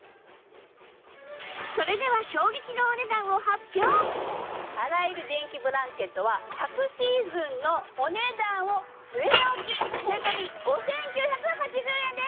それでは洗える電気ブランケットは昨シーズンのお値段を据え置き税込５９８０円です！